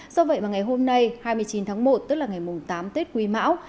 do vậy mà ngày hôm nay hai mươi chín tháng một tức là ngày tám tết quý mão